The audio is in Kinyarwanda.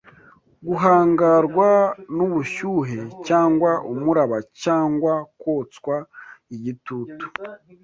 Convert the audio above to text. guhangarwa n’ubushyuhe cyangwa umuraba cyangwa kotswa igitutu